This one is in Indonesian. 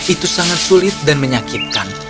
itu sangat sulit dan menyakitkan